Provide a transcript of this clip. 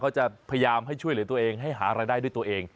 จะพยายามให้ช่วยเหลือตัวเองให้หารายได้ด้วยตัวเอง